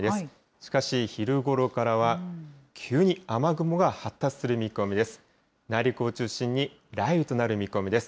しかし昼ごろからは急に雨雲が発達する見込みです。